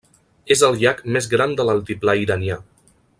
És el llac més gran de l'altiplà iranià.